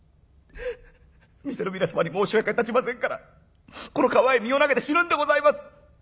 店の皆様に申し訳が立ちませんからこの川へ身を投げて死ぬんでございます」。